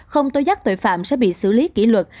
không tố giác tội phạm sẽ bị xử lý kỷ luật